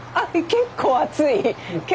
結構熱い。